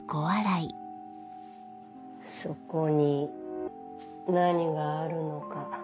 そこに何があるのか。